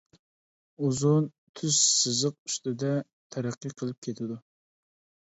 ئۇزۇن، تۈز سىزىق ئۈستىدە تەرەققىي قىلىپ كېتىدۇ.